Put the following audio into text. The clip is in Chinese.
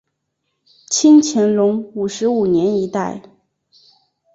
清乾隆五十五年一带。